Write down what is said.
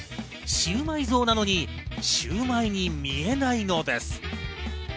シウマイ像なのにシウマイに見えないのです。